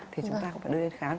thì chúng ta cũng phải đưa đến khám